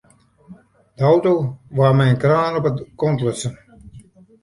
De auto waard mei in kraan op de kant lutsen.